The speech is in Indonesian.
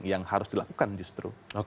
yang harus dilakukan justru